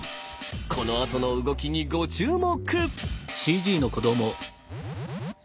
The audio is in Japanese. このあとの動きにご注目。